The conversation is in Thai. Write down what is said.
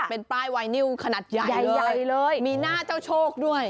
เป็นป้ายไวนิวขนาดใหญ่ใหญ่เลยมีหน้าเจ้าโชคด้วย